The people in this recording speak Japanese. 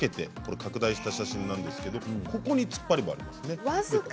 拡大した写真なんですけれどもここにつっぱり棒がありますね。